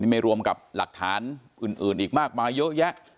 ไม่รวมกับหลักฐานอื่นอีกมากมายเยอะแยะ